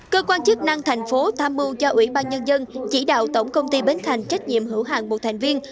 cơ quan chức năng thành phố tham mưu cho ủy ban nhân dân chỉ đạo tổng công ty bến thành trách nhiệm hữu hàng một thành viên